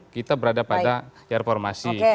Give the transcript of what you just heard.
kita berada pada reformasi